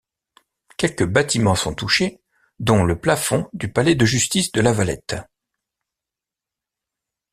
Quelques bâtiments sont touchés, dont le plafond du palais de justice de La Valette.